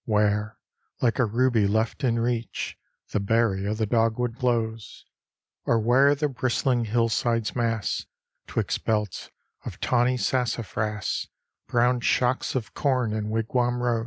Where, like a ruby left in reach, The berry of the dogwood glows: Or where the bristling hillsides mass, 'Twixt belts of tawny sassafras, Brown shocks of corn in wigwam rows!